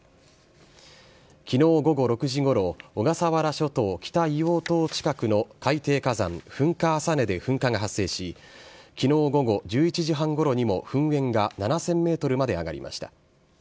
きのう午後６時ごろ、小笠原諸島・北硫黄島近くの海底火山、噴火浅根で噴火が発生し、きのう午後１１時半ごろにも噴煙が７０００メートルまで上がりました。